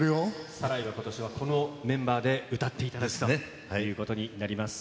サライはことしはこのメンバーで歌っていただくということになります。